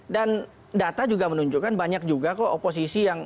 dan data juga menunjukkan banyak juga kok oposisi